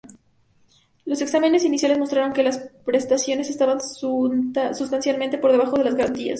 Los exámenes iniciales mostraron que las prestaciones estaban sustancialmente por debajo de las garantías.